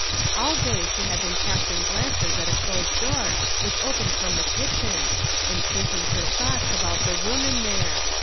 All day she had been casting glances at a closed door which opened from the kitchen, and thinking her thoughts about the room in there.